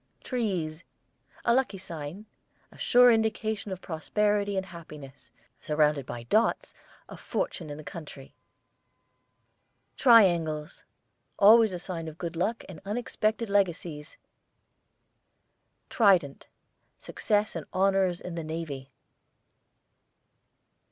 TREES, a lucky sign; a sure indication of prosperity and happiness; surrounded by dots, a fortune in the country. TRIANGLES, always a sign of good luck and unexpected legacies. TRIDENT, success and honours in the Navy.